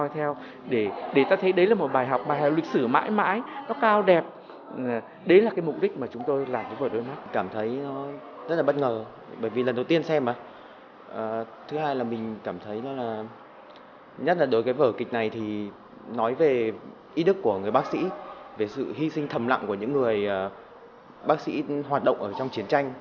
thứ hai là mình cảm thấy nhắc đến vở kịch này thì nói về ý đức của người bác sĩ về sự hy sinh thầm lặng của những người bác sĩ hoạt động trong chiến tranh